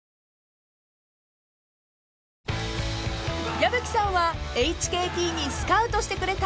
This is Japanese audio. ［矢吹さんはＨＫＴにスカウトしてくれた］